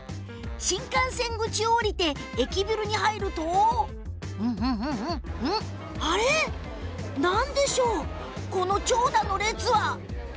新幹線口を降りて駅ビルに入るとなんでしょう、この長蛇の列。